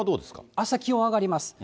あした、気温は上がります。